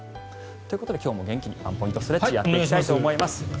ということで今日も元気にワンポイントストレッチやっていきたいと思います。